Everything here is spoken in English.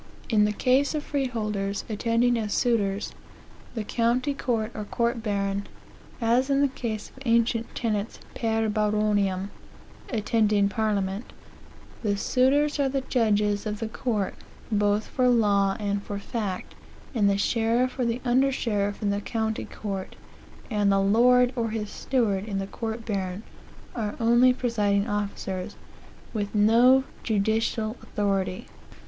"In the case of freeholders attending as suitors, the county court or court baron., (as in the case of the ancient tenants per baroniam attending Parliament,) the suitors are the judges of the court, both for law and for fact, and the sheriff or the under sheriff in the county court, and the lord or his steward in the court baron, are only presiding officers, with no judicial authority."